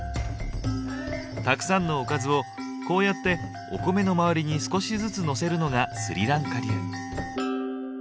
たくさんのおかずをこうやってお米の周りに少しずつのせるのがスリランカ流。